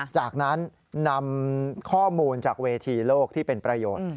จากนั้นนำข้อมูลจากเวทีโลกที่เป็นประโยชน์